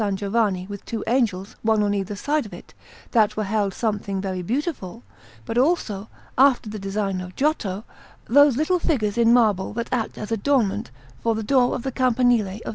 Giovanni, with two angels, one on either side of it, that were held something very beautiful, but also, after the design of Giotto, those little figures in marble that act as adornment for the door of the Campanile of S.